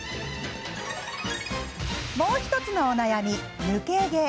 もう１つのお悩み、抜け毛。